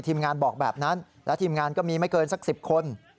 งานบอกแบบนั้นและทีมงานก็มีไม่เกินสัก๑๐คน